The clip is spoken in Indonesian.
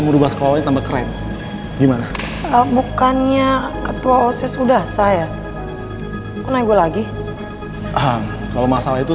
merubah sekolah tambah keren gimana bukannya ketua osis udah saya lagi kalau masalah itu